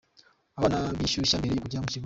Abana bishyushya mbere yo kujya mu kibuga .